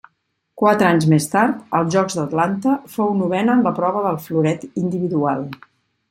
Quatre anys més tard, als Jocs d'Atlanta, fou novena en la prova del floret individual.